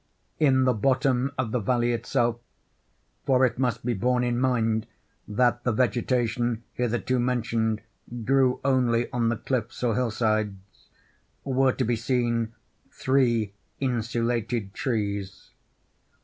In the bottom of the valley itself—(for it must be borne in mind that the vegetation hitherto mentioned grew only on the cliffs or hillsides)—were to be seen three insulated trees.